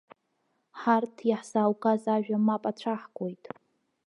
Ҳарҭ, иаҳзааугаз ажәа мап ацәаҳкуеит.